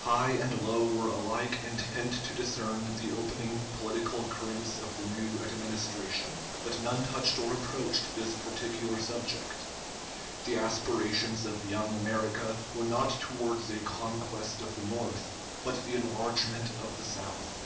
High and low were alike intent to discern the opening political currents of the new Administration, but none touched or approached this particular subject. The aspirations of "Young America" were not towards a conquest of the North, but the enlargement of the South.